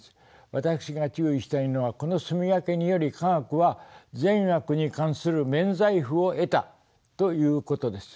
私が注意したいのはこの棲み分けにより科学は善悪に関する免罪符を得たということです。